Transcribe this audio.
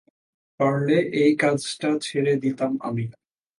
পারলে এই কাজটা ছেড়ে দিতাম আমি।